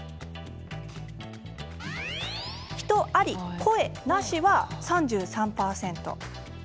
人あり、声なしは、３３％。